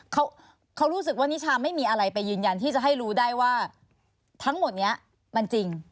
เขาเขารู้สึกว่านิชาไม่มีอะไรไปยืนยันที่จะให้รู้ได้ว่าทั้งหมดเนี้ยมันจริง